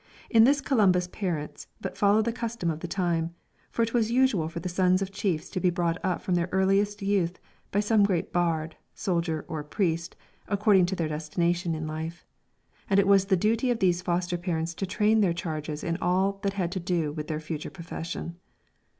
In this Columba's parents but followed the custom of the time, for it was usual for the sons of chiefs to be brought up from their earliest youth by some great bard, soldier, or priest, according to their destination in life; and it was the duty of these foster parents to train their charges in all that had to do with their future profession.